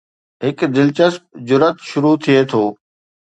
هڪ دلچسپ جرئت شروع ٿئي ٿو